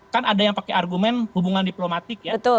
kan ada yang pakai argumen hubungan diplomatik ya